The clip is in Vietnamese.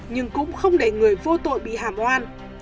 nhưng cũng không để người vô tội bị hàm oan